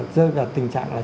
rơi vào tình trạng là